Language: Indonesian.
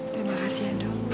terima kasih ya dok